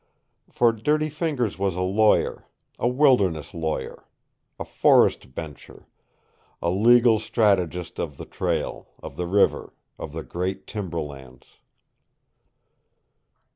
For Dirty Fingers was a lawyer, a wilderness lawyer, a forest bencher, a legal strategist of the trail, of the river, of the great timber lands.